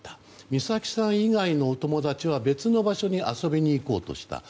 美咲さん以外のお友達は別の場所に遊びに行こうとした。